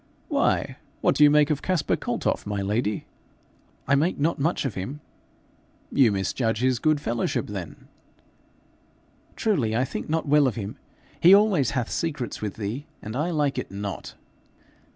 'Why, what do you make of Caspar Kaltoff, my lady?' 'I make not much of him.' 'You misjudge his goodfellowship then.' 'Truly, I think not well of him: he always hath secrets with thee, and I like it not.'